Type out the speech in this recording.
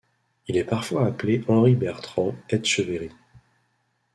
Il est parfois appelé Henri-Bertrand Etcheverry.